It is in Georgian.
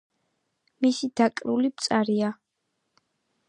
მისი დაკრული მწარეა.